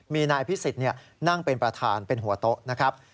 มีนายพิสิทธิ์นั่งเป็นประธานเป็นหัวโต๊ะนะครับ